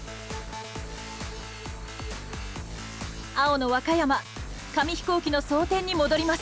青の和歌山紙飛行機の装填に戻ります。